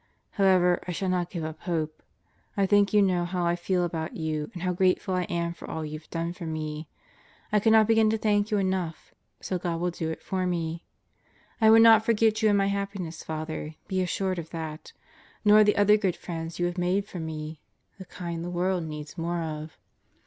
However, I shall not give up hope. ... I think you know how I feel about you and how grateful I am for all you've done for me. I cannot begin to thank you enough, so God will do it for me, I will not forget you in my happiness, Father; be assured of that. Nor the other good friends you have made for me ... the kind the world needs more of.